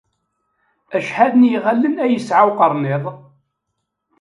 Acḥal n yiɣallen ay yesɛa uqerniḍ?